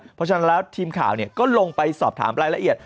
เพราะฉะนั้นแล้วทีมข่าวก็ลงไปสอบถามรายละเอียด